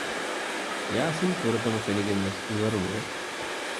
ޔާސިން ފުރަތަމަ ފެނިގެންވެސް މިވަރުނުވެ